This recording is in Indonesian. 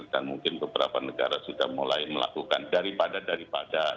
dan mungkin beberapa negara sudah mulai melakukan daripada daripada